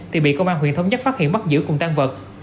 thì bị công an huyện thống nhất phát hiện bắt giữ cùng tan vật